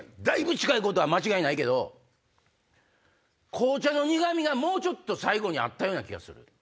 だいぶ近いことは間違いないけど紅茶の苦味がもうちょっと最後にあったような気がする。